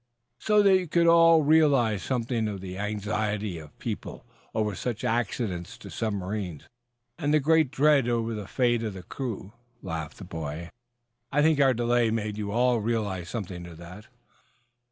"So that you could all realize something of the anxiety of people over such accidents to submarines, and the great dread over the fate of the crew," laughed the boy. "I think our delay made you all realize something of that."